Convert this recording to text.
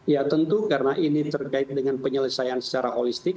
ya tentu karena ini terkait dengan penyelesaian secara holistik